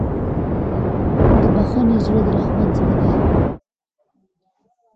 د بښنې زړه د رحمت زړه دی.